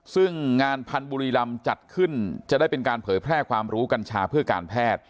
ซึ่งงานพันธ์บุรีรำจัดขึ้นจะได้เป็นการเผยแพร่ความรู้กัญชาเพื่อการแพทย์